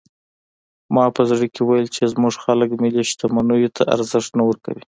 ما په زړه کې ویل چې زموږ خلک ملي شتمنیو ته ارزښت نه ورکوي.